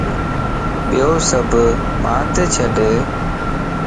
ٻيو سڀ مانت ڇڏ